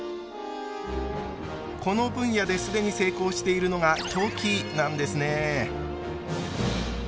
この分野で既に成功しているのがトキなんですね。